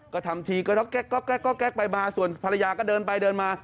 ก็ทำทีก็ด็อกแก๊อกแก๊กไปมาส่วนภรรยาก็เดินไปเดินมา